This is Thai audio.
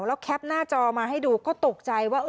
แล้วแคปหน้าจอมาให้ดูก็ตกใจว่า